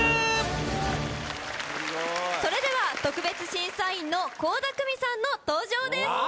それでは特別審査員の倖田來未さんの登場です。